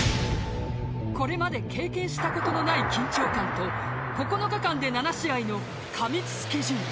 これまで経験したことのない緊張感と９日間で７試合の過密スケジュール。